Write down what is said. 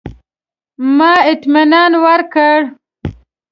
ما اطمنان ورکړ.